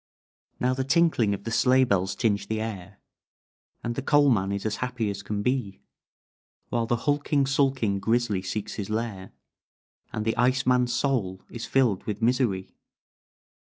"Now the tinkling of the sleigh bells tinge the air, And the coal man is as happy as can be; While the hulking, sulking, grizzly seeks his lair, And the ice man's soul is filled with misery.